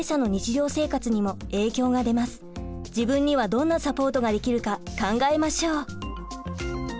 自分にはどんなサポートができるか考えましょう。